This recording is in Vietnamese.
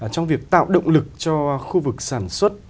trong việc tạo động lực cho khu vực sản xuất